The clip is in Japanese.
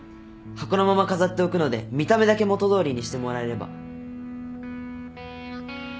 箱のまま飾っておくので見た目だけ元通りにしてもらえれば